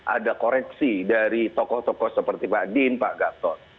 ada koreksi dari tokoh tokoh seperti pak din pak gatot